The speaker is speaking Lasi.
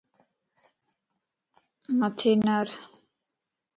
مٿي نار